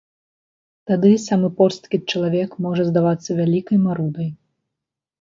Тады самы порсткі чалавек можа здавацца вялікай марудай.